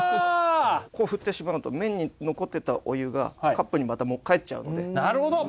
こう振ってしまうと麺に残ってたお湯がカップにまた返っちゃうので。